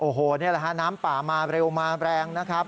โอ้โหนี่แหละฮะน้ำป่ามาเร็วมาแรงนะครับ